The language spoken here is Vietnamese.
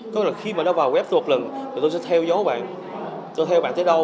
tức là khi mà nó vào web tôi một lần thì tôi sẽ theo dấu bạn tôi theo bạn tới đâu